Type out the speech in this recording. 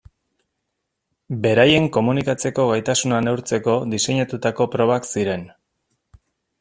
Beraien komunikatzeko gaitasuna neurtzeko diseinatutako probak ziren.